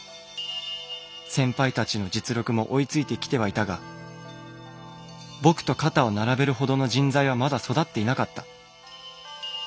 先輩達の実力も追いついて来てはいたが僕と肩を並べるほどの人材はまだ育っていなかった。